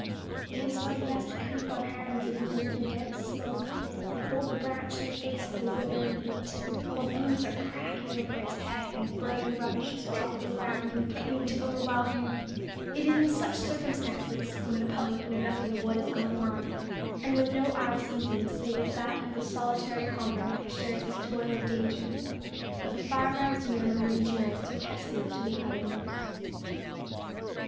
It is when he has to creep on hands and knees through dense smoke, and hold the branch in the face of withering heat, while beams are cracking over his head, and burning rubbish is dropping around, and threatening to overwhelm him it is in such circumstances, when the public know nothing of what is going on, and when no eye sees him save that of the solitary comrade who shares his toil and danger, that the fireman's nerve and endurance are tested to the uttermost.